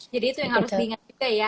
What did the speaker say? jadi itu yang harus diingat juga ya